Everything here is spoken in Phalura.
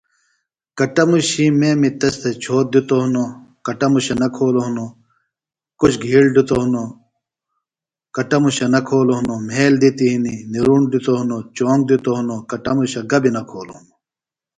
کٹموشی میمی تس تھےۡ چھوت دِتوۡ ہنوۡ، کٹموشہ نہ کھولوۡ ہنوۡ، کُچ گِھیڑ دِتوۡ ہنوۡ، کٹموشہ نہ کھولوۡ ہنوۡ، مھیل دِتیۡ ہنیۡ، نرُوݨ دِتوۡ ہنوۡ، چونگ دِتوۡ ہنوۡ، کٹموشہ گبیۡ نہ کھولوۡ ہنوۡ